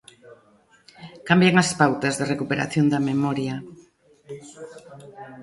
Cambian as pautas de recuperación da memoria.